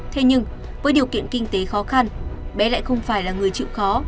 thế nhưng với điều kiện kinh tế khó khăn bé lại không phải là người chịu khó